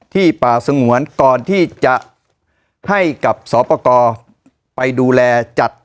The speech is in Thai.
ป่าสงวนก่อนที่จะให้กับสอปกรไปดูแลจัด